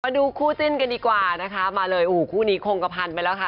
ดูคู่จิ้นกันดีกว่านะคะมาเลยโอ้โหคู่นี้คงกระพันไปแล้วค่ะ